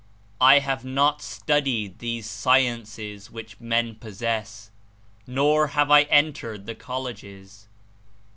I have not studied these sciences which men possess, nor have I entered the colleges.